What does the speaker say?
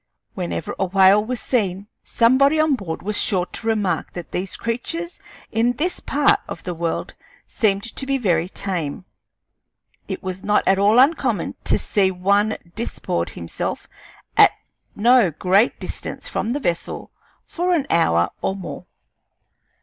Whenever a whale was seen, somebody on board was sure to remark that these creatures in this part of the world seemed to be very tame. It was not at all uncommon to see one disport himself at no great distance from the vessel for an hour or more.